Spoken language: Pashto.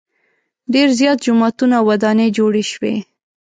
ډېر زیات جوماتونه او ودانۍ جوړې شوې.